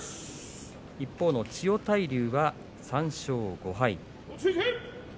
一方の千代大龍は３勝５敗。